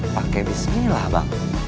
pakai bismillah bang